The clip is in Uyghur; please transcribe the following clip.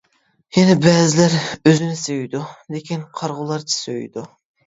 يەنە بەزىلەر ئۆزىنى سۆيىدۇ، لېكىن، قارىغۇلارچە سۆيىدۇ.